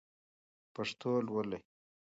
پښتو لولئ!